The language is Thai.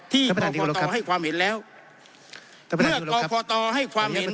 ที่ท่านกตให้ความเห็นแล้วเมื่อกรกตให้ความเห็น